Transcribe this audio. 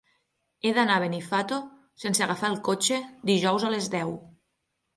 He d'anar a Benifato sense agafar el cotxe dijous a les deu.